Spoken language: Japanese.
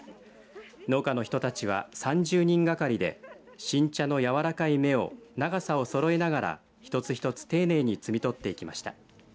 農家の人たちは３０人がかりで新茶の柔らかい芽を長さをそろえながら一つ一つ丁寧に摘み取っていきました。